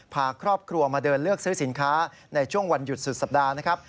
พาครอบครัวมาเดินเลือกซื้อสินค้าในช่วงวันหยุดสุดสัปดาห์นะครับ